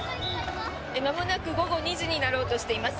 まもなく午後２時になろうとしています。